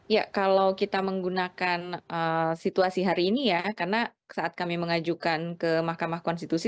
ya kalau kita menggunakan situasi hari ini ya karena saat kami mengajukan ke mahkamah konstitusi